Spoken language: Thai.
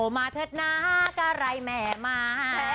อมาเถอะนะก็ไหลเมะม่า